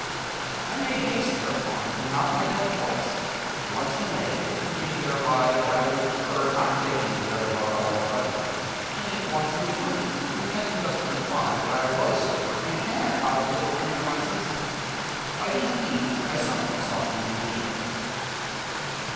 ” I made haste, hereupon, to nod my head twice—once in the negative, meaning thereby that I would prefer not taking the other bottle at present—and once in the affirmative, intending thus to imply that I was sober and had positively come to my senses. By these means I somewhat softened the Angel.